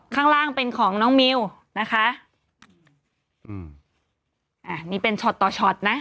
ข้างล่างเป็นของน้องมิวนะคะอืมอ่านี่เป็นช็อตต่อช็อตนะ